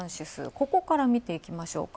ここから見ていきましょうか。